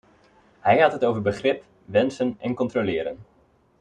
Hij had het over begrip, wensen en controleren.